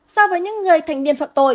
so với những người thành niên phạm tội